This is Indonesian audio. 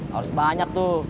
harus banyak tuh